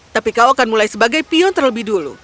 tapi kau akan mulai sebagai pion terlebih dulu